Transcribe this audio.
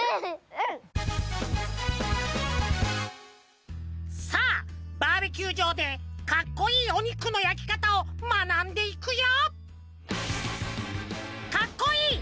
うん！さあバーベキューじょうでかっこいいおにくのやきかたをまなんでいくよ！